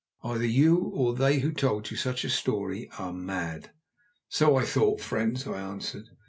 Either you or they who told you such a story are mad." "So I thought, friends," I answered.